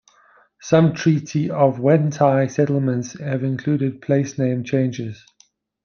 Some Treaty of Waitangi settlements have included placename changes.